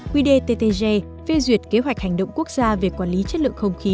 quy đề ttg phê duyệt kế hoạch hành động quốc gia về quản lý chất lượng không khí